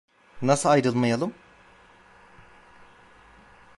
Nasıl ayrılmayalım?